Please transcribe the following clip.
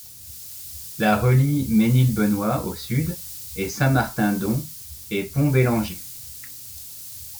La relie Mesnil-Benoist au sud et Saint-Martin-Don et Pont-Bellanger.